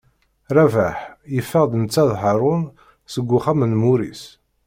Rabaḥ yeffeɣ-d netta d Haṛun seg uxxam n Muris.